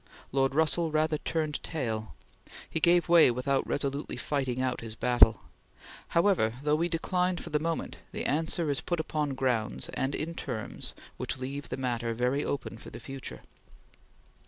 Lord Russell rather turned tail. He gave way without resolutely fighting out his battle. However, though we decline for the moment, the answer is put upon grounds and in terms which leave the matter very open for the future.